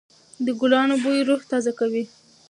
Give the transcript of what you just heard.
د ګلانو بوی روح تازه کوي.